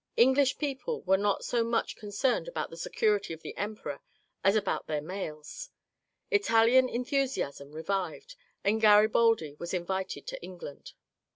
English people were not so much concerned about the security of the Emperor as about their mails ; Italian enthusiasm revived, and Garibaldi was invited to England.